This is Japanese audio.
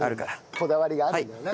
こだわりがあるんだよね。